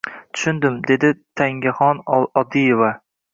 Tushundim, dedi Tangaxon Oldieva